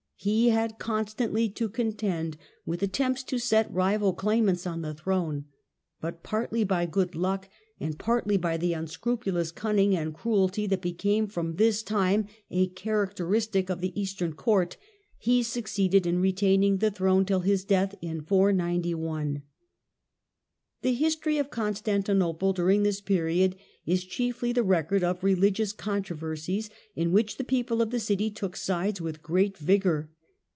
He had constantly to contend with attempts to set rival claimants on the throne, but, partly by good luck and partly by the unscrupulous cunning and cruelty that became from this time a characteristic of the Eastern Court, he succeeded in retaining the throne till his death in 491. The history of Constantinople during this period is chiefly the record of religious controversies, in which the people of the city took sides with great vigour.